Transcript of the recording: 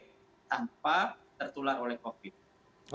tanpa tertular oleh covid